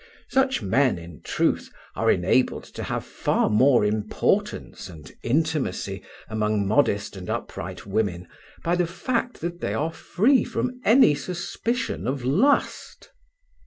Such men, in truth, are enabled to have far more importance and intimacy among modest and upright women by the fact that they are free from any suspicion of lust.